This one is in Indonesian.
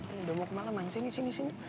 udah mau kemalaman sini sini